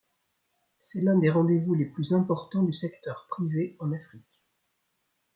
C'est l'un des rendez-vous les plus importants du secteur privé en Afrique.